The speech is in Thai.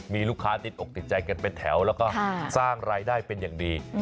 มีลูกค้าติดอกติดใจกันเป็นแถวแล้วก็สร้างรายได้เป็นอย่างดี